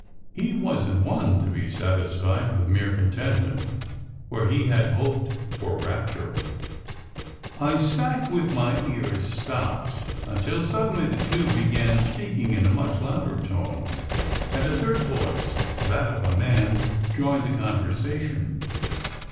He wasn t one to be satisfied with mere con tentment, where he had hoped for rapture. I sat with my ears stopped, until suddenly the two began speaking in a much louder tone; and a third voice, that of a. 78 SECRET HISTORY man, joined the conversation.